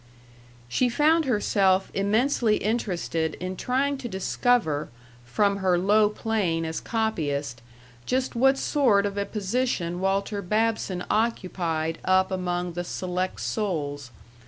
She found herself immensely interested in trying to discover, from her low plane as copyist, just what sort of a position Walter Babson occupied up among the select souls.